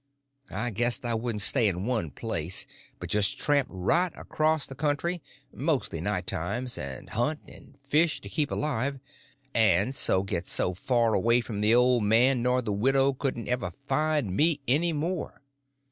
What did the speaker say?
I guessed I wouldn't stay in one place, but just tramp right across the country, mostly night times, and hunt and fish to keep alive, and so get so far away that the old man nor the widow couldn't ever find me any more.